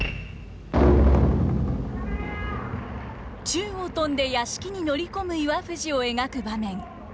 宙を飛んで屋敷に乗り込む岩藤を描く場面。